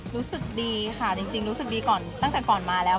รู้สึกดีค่ะจริงรู้สึกดีก่อนตั้งแต่ก่อนมาแล้ว